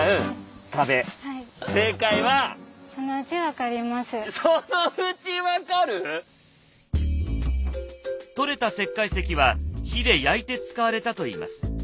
そのうちわかる⁉採れた石灰石は火で焼いて使われたといいます。